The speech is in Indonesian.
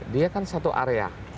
dia kan satu area